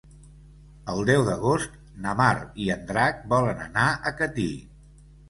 El deu d'agost na Mar i en Drac volen anar a Catí.